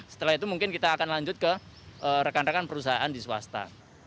setelah itu mungkin kita akan lanjut ke rekan rekan perusahaan di swasta